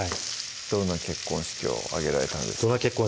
どんな結婚式を挙げられたんですか？